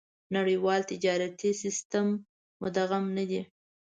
نړيوال تجارتي سېسټم مدغم نه دي.